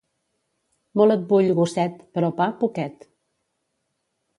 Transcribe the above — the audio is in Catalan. Molt et vull, gosset, però pa, poquet.